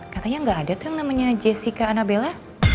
katanya gak ada tuh yang namanya jessica anabella